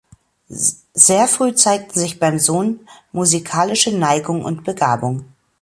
Sehr früh zeigten sich beim Sohn musikalische Neigung und Begabung.